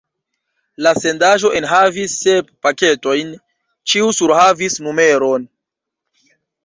La sendaĵo enhavis sep paketojn, ĉiu surhavis numeron.